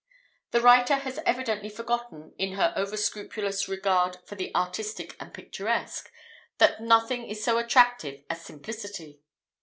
The writer has evidently forgotten, in her over scrupulous regard for the artistic and picturesque, that nothing is so attractive as simplicity.